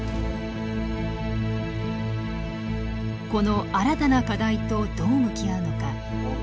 この新たな課題とどう向き合うのか。